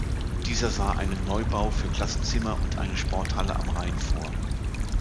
Dieser sah einen Neubau für Klassenzimmer und eine Sporthalle am Rhein vor.